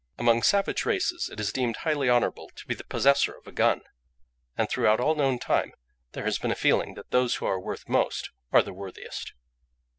Among savage races it is deemed highly honourable to be the possessor of a gun, and throughout all known time there has been a feeling that those who are worth most are the worthiest."